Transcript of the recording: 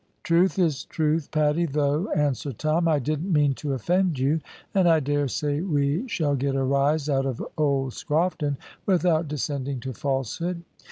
"Truth is truth, Paddy, though," answered Tom; "I didn't mean to offend you, and I dare say we shall get a rise out of old Scrofton without descending to falsehood."